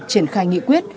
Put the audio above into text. triển khai nghị quyết